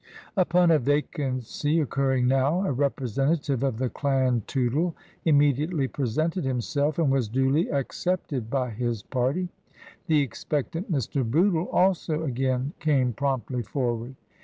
Upon a vacancy occurring now, a representative of the clan Tootle immediately presented himself, and was duly accepted by his party. The expectant Mr. Bootle also again came promptly forward.